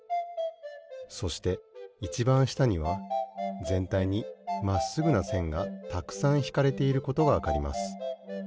そしていちばんしたにはぜんたいにまっすぐなせんがたくさんひかれていることがわかります。